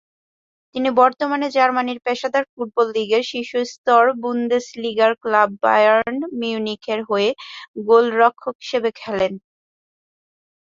তিনি বর্তমানে জার্মানির পেশাদার ফুটবল লীগের শীর্ষ স্তর বুন্দেসলিগার ক্লাব বায়ার্ন মিউনিখের হয়ে গোলরক্ষক হিসেবে খেলেন।